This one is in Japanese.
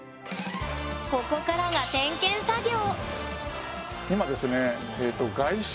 ここからが点検作業